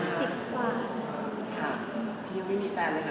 พี่ยังไม่มีแฟนเลยค่ะ